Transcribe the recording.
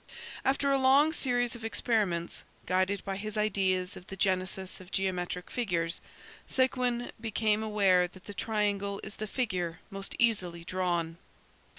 After a long series of experiments, guided by his ideas of the genesis of geometric figures, Séguin became aware that the triangle is the figure most easily drawn.